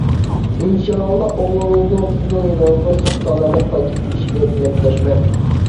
ئىنشائاللا، ئوغلىڭىزنىڭ سىزنىڭ يېنىڭىزغا ساق سالامەت قايتىپ كېلىشىگە تىلەكداشمەن!